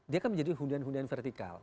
dia kan menjadi hunian hunian vertikal